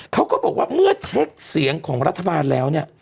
เขาก็บอกว่าเมื่อเช็คเสียงของรัฐบาลแล้วเนี่ย